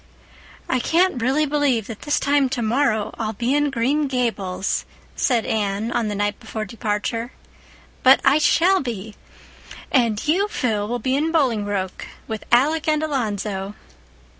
"I can't really believe that this time tomorrow I'll be in Green Gables," said Anne on the night before departure. "But I shall be. And you, Phil, will be in Bolingbroke with Alec and Alonzo."